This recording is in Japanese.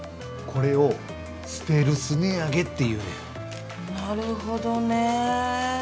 これをステルス値上げっていうんなるほどね。